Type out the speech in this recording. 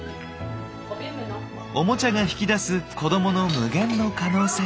オモチャが引き出す子どもの無限の可能性。